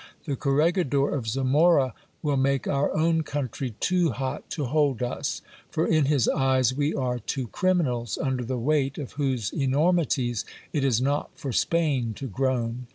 The corregidor of Zamora will make our own country too LAURAS STORY. 243 hot to hold us, for in his eyes we are two criminals, under the weight of whose enormities it is not for Spain to groan.